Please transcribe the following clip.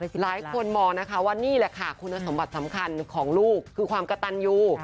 หลายคนมองนะคะว่านี่แหละค่ะคุณสมบัติสำคัญของลูกคือความกระตันยู